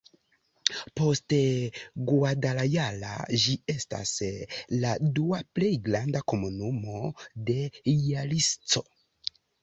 Post Guadalajara ĝi estas la dua plej granda komunumo de Jalisco.